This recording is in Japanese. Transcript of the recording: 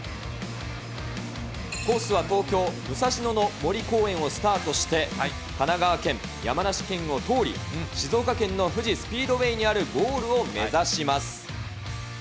コースは東京・武蔵野の森公園をスタートして、神奈川県、山梨県を通り、静岡県の富士スピードウェイにあるゴールを目指します。